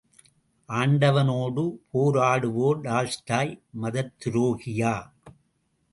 ஆண்டவனோடு போராடுவோர் டால்ஸ்டாய் மதத்துரோகியா?